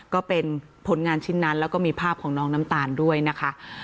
ก็เป็นผลงานชิ้นนั้นแล้วก็มีภาพของน้องน้ำตาลด้วยนะคะ